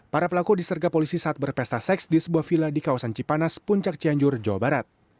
para pelaku diserga polisi saat berpesta seks di sebuah villa di kawasan cipanas puncak cianjur jawa barat